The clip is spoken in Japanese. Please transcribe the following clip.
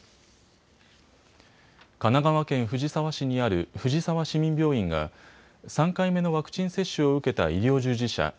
神奈川県藤沢市にある藤沢市民病院が３回目のワクチン接種を受けた医療従事者